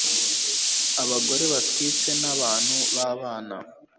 abagore batwite na bantu babana